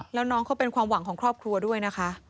แล้วน้องเขาเป็นความหวังของครอบครัวด้วยนะคะ